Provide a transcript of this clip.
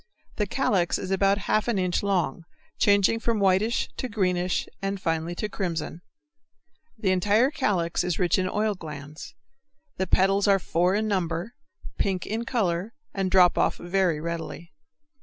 The calyx is about half an inch long, changing from whitish to greenish, and finally to crimson. The entire calyx is rich in oil glands. The petals are four in number, pink in color, and drop off very readily.